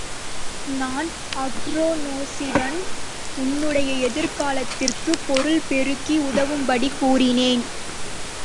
நான் அக்ரோனோசிடம் உன்னுடைய எதிர்காலத்திற்குப் பொருள் பெருக்கி உதவும்படி கூறினேன்.